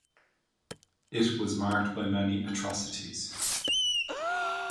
It was marked by many atrocities.